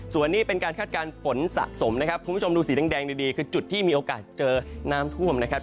ส่วนนี้เป็นการคาดการณ์ฝนสะสมนะครับคุณผู้ชมดูสีแดงดีคือจุดที่มีโอกาสเจอน้ำท่วมนะครับ